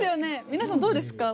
皆さんどうですか？